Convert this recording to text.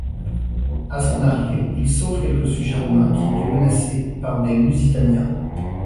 À son arrivée, il sauve quelques sujets romains qui étaient menacés par des Lusitaniens.